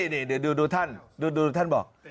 นี่ดูท่านดูท่านบอก